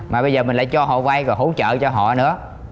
mà bây giờ mình lại cho họ vai rồi hỗ trợ cho họ nữa